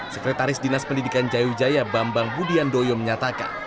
sekretaris dinas pendidikan jayawijaya bambang budian doyo menyatakan